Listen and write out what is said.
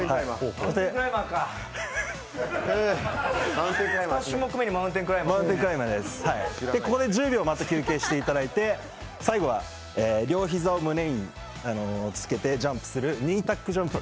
ここでまた１０秒、休憩していただいて、最後は両ひざを胸につけてジャンプするニータックジャンプ。